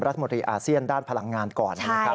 รัฐมนตรีอาเซียนด้านพลังงานก่อน